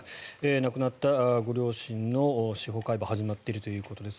亡くなったご両親の司法解剖が始まっているということです。